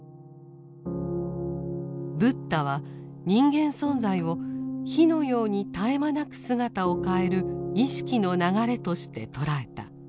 ブッダは人間存在を「火」のように絶え間なく姿を変える意識の流れとして捉えた。